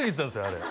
あれ